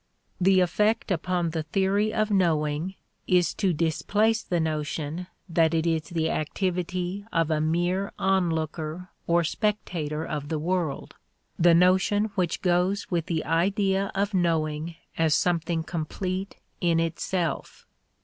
The effect upon the theory of knowing is to displace the notion that it is the activity of a mere onlooker or spectator of the world, the notion which goes with the idea of knowing as something complete in itself.